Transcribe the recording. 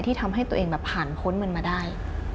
ทำให้ตัวเองแบบผ่านพ้นมันมาได้